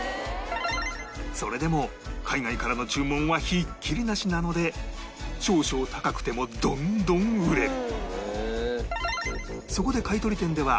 それでも海外からの注文はひっきりなしなので少々高くてもどんどん売れる